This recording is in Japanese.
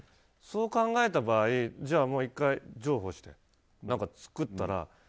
そう考えた場合じゃあもう１回譲歩して何か作ったら。